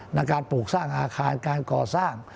ในการปลูกสร้างอาคารการก่อสร้าง